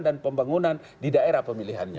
dan pembangunan di daerah pemilihannya